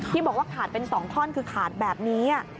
ที่บอกว่าขาดเป็น๒ท่อนคือขาดแบบนี้